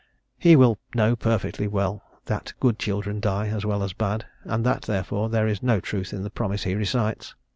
_" He will know perfectly well that good children die as well as bad, and that, therefore, there is no truth in the promise he recites.